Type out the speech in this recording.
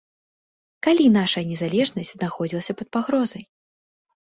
Калі нашая незалежнасць знаходзілася пад пагрозай?